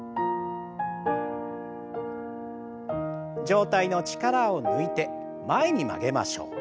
上体の力を抜いて前に曲げましょう。